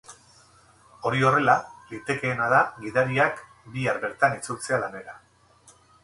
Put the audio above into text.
Hori horrela, litekeena da gidariak bihar bertan itzultzea lanera.